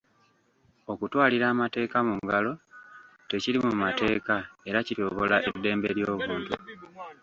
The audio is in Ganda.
Okutwalira amateeka mu ngalo tekiri mu mateeka era kityoboola eddembe ly'obuntu.